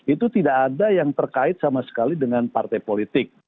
itu tidak ada yang terkait sama sekali dengan partai politik